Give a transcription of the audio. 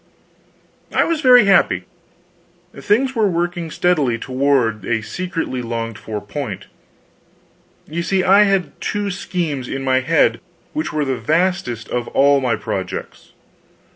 I was very happy. Things were working steadily toward a secretly longed for point. You see, I had two schemes in my head which were the vastest of all my projects.